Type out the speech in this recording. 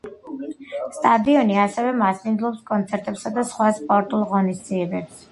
სტადიონი ასევე მასპინძლობს კონცერტებსა და სხვა სპორტულ ღონისძიებებს.